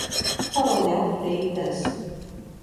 Coronel Freitas